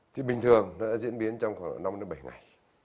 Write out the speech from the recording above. thì bình thường nó sẽ diễn biến trong khoảng năm bảy ngày